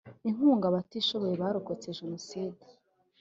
Inkunga Abatishoboye barokotse Jenoside